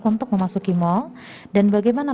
untuk memasuki mal dan bagaimana